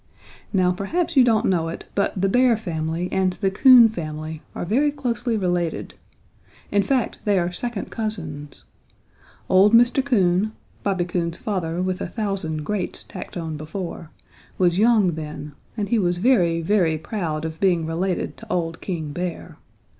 "Now perhaps you don't know it, but the Bear family and the Coon family are very closely related. In fact, they are second cousins. Old Mr. Coon, Bobby Coon's father with a thousand greats tacked on before, was young then, and he was very, very proud of being related to old King Bear.